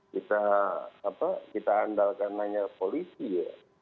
kita andalkan hanya polisi ya